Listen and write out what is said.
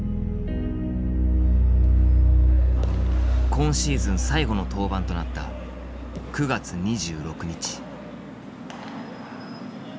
今シーズン最後の登板となった９月２６日。